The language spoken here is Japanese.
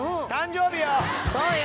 誕生日よ！